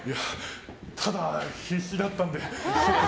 ただ必死だったんで。